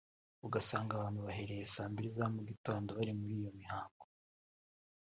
ugasanga abantu bahereye saa mbiri za mu gitondo bari muri iyo mihango